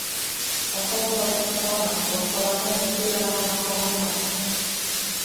Аҫыл затын таны башҡаларҙың Кеше яраһына ҡағылма.